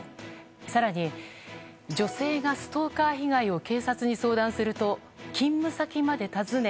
更に、女性がストーカー被害を警察に相談すると勤務先まで訪ね